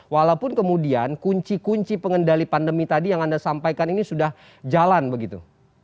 walaupun kemudian kunci kunci pengendali pandemi tadi yang anda sampaikan ini sudah jalan begitu